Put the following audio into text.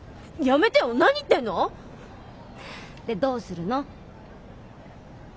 やめてよ何言ってんの？でどうするの？